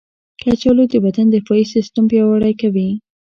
کچالو د بدن دفاعي سیستم پیاوړی کوي.